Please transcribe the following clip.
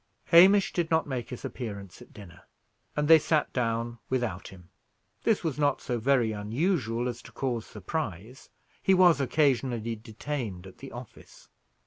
Hamish did not make his appearance at dinner, and they sat down without him. This was not so very unusual as to cause surprise; he was occasionally detained at the office.